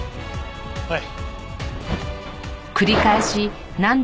はい。